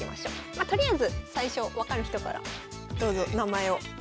まとりあえず最初分かる人からどうぞ名前を。